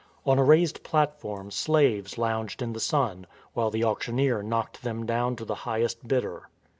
On a raised platform slaves lounged in the sun while the auctioneer knocked them down to the highest bidder.